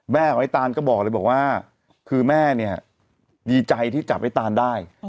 ไอ้ตานก็บอกเลยบอกว่าคือแม่เนี่ยดีใจที่จับไอ้ตานได้